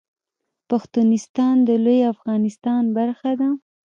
پښتونستان د لوی افغانستان برخه ده